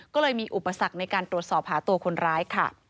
ก็เลยมีอุปสรรคในการตรวจสอบหาตัวคนร้ายค่ะ